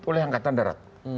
oleh angkatan darat